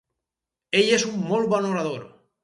Ell és un molt bon orador.